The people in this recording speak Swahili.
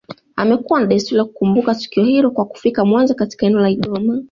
amekuwa na desturi ya kukumbuka tukio hilo kwa kufika Mwanza katika eneo la Igoma